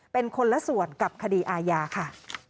เป็นคนละส่วนกับคดีอาญาค่ะ